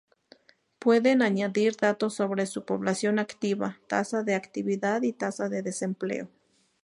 Pueden añadirse datos sobre su población activa, tasa de actividad y tasa de desempleo.